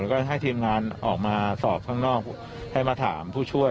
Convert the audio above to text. แล้วก็ให้ทีมงานออกมาสอบข้างนอกให้มาถามผู้ช่วย